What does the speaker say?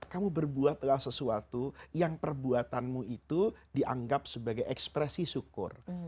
kamu berbuatlah sesuatu yang perbuatanmu itu dianggap sebagai ekspresi syukur